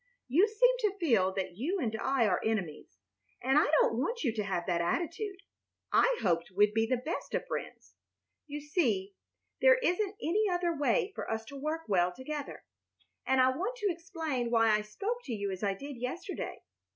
You seem to feel that you and I are enemies, and I don't want you to have that attitude. I hoped we'd be the best of friends. You see, there isn't any other way for us to work well together. And I want to explain why I spoke to you as I did yesterday.